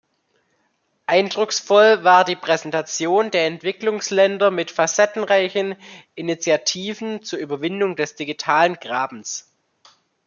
Eindrucksvoll war die Präsentation der Entwicklungsländer mit facettenreichen Initiativen zur Überwindung des "digitalen Grabens".